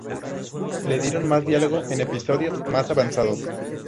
Le dieron más diálogo en episodios más avanzados.